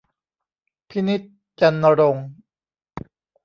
พินิจ จันทร์ณรงค์